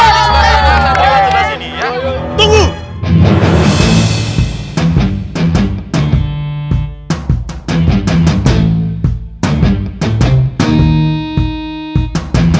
semuanya masuk ke angkot